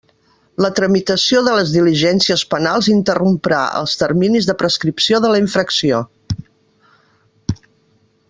La tramitació de les diligències penals interromprà els terminis de prescripció de la infracció.